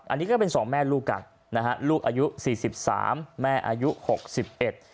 อันนี้ก็เป็นสองแม่ลูกกันนะฮะลูกอายุสี่สิบสามแม่อายุหกสิบเอ็ด